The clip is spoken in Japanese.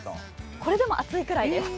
これでも暑いぐらいです。